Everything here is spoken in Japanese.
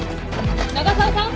長澤さん！